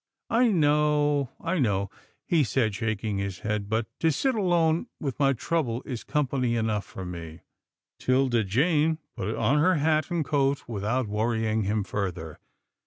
" I know, I know," he said shaking his head, " but to sit alone with my trouble is company enough for me." 'Tilda Jane put on her hat and coat without worrying him further.